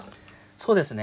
そうですね。